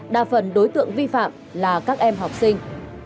đa phần đối tượng vi phạm là các em học sinh